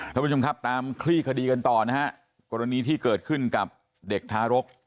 ท่านผู้ชมครับตามคลี่คดีกันต่อนะฮะกรณีที่เกิดขึ้นกับเด็กทารก